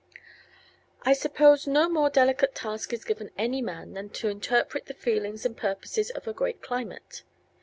I suppose no more delicate task is given any man than to interpret the feelings and purposes of a great climate.